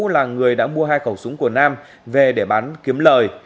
là người đã mua hai khẩu súng của nam về để bán kiếm lời